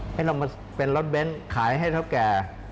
ให้เรามาเป็นรถเบนท์ขายให้เท่าแก่